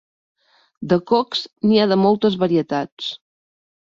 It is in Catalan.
De cócs n'hi ha de moltes varietats.